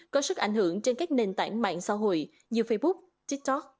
có sức ảnh hưởng trên các nền tảng mạng xã hội như facebook tiktok